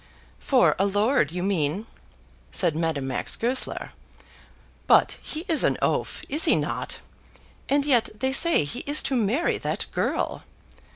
"For a lord, you mean," said Madame Max Goesler. "But he is an oaf, is he not? And yet they say he is to marry that girl."